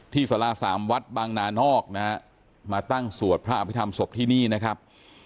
สาราสามวัดบางนานอกนะฮะมาตั้งสวดพระอภิษฐรรมศพที่นี่นะครับ